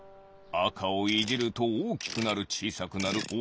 あかをいじるとおおきくなるちいさくなる。